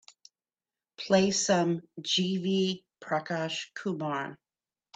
Play some G. V. Prakash Kumar